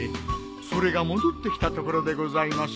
それが戻ってきたところでございます。